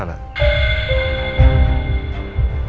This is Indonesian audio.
di sukabumi pak